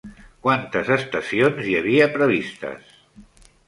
Quantes estacions hi havia previstes?